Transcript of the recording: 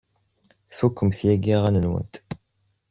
Tfukemt yagi aɣanen-nwent?